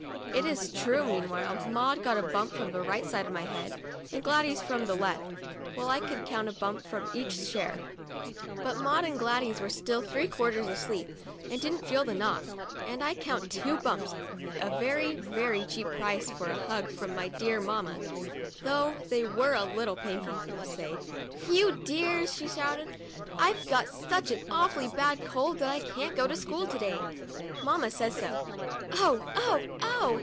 It is true that meanwhile Maud got a bump from the right side of my head, and Gladys one from 24 TUESDAY— A TEA PARTY the left, while I could count a bump from each as my share; but Maud and Gladys were still three quarters asleep, and didn t feel the knock, and I count two bumps a very, very cheap price for a hug from my dear mamma, though they were a little painful, I must say. " You dears !" she shouted, " I've got such an awfully bad cold that I can't go to school to day. Mamma says so. Oh — oh — oh